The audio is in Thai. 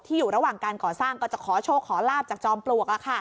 อยู่ระหว่างการก่อสร้างก็จะขอโชคขอลาบจากจอมปลวก